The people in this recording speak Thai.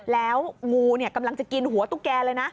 แล้วงูกำลังจะกินหัวตุ๊กแกเลยนะ